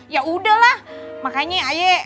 yaudahlah makanya ayo